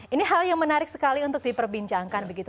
ini hal yang menarik sekali untuk diperbincangkan begitu